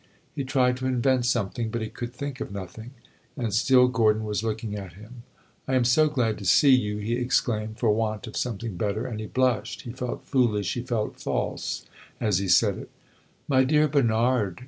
He tried to invent something; but he could think of nothing, and still Gordon was looking at him. "I am so glad to see you!" he exclaimed, for want of something better; and he blushed he felt foolish, he felt false as he said it. "My dear Bernard!"